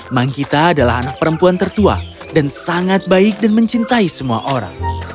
manggita adalah anak perempuan tertua dan sangat baik dan mencintai semua orang